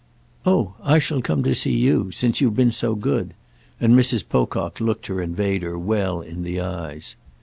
"Oh I shall come to see you, since you've been so good": and Mrs. Pocock looked her invader well in the eyes.